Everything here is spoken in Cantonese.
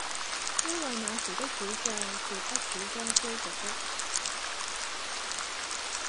因爲那時的主將是不主張消極的。